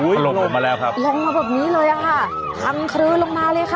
หลบออกมาแล้วครับลงมาแบบนี้เลยอ่ะค่ะพังคลืนลงมาเลยค่ะ